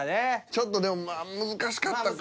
ちょっとでもまあ難しかったか。